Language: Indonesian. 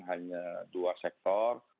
hanya dua sektor